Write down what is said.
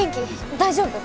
大丈夫？